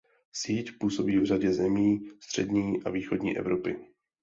Síť působí v řadě zemí střední a východní Evropy.